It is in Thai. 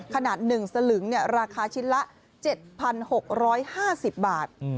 ขนาดหนึ่งสลึงเนี่ยราคาชิ้นละ๗๖๕๐บาท